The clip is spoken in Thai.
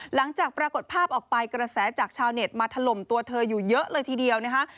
หลังจากปรากฏภาพออกไปกระแสจากชาวเน็ตมาถล่มตัวเธออยู่เยอะเลยทีเดียวนะคะ